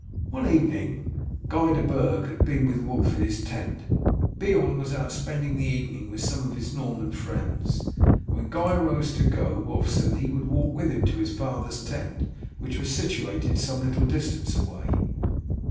One evening Guy de Burg had been with Wulf in his tent. Beorn was out spending the evening with some of his Norman friends. When Guy rose to go Wulf said that he would walk with him to his father's tent, which was situated some little distance away.